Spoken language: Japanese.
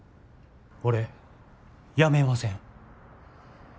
俺辞めません。